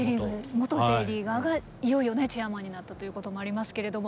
元Ｊリーガーがいよいよねチェアマンになったということもありますけれども。